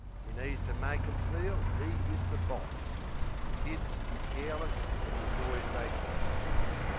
'E needs to make 'em feel 'e is the boss, An' kid 'e's careless uv the joys they give.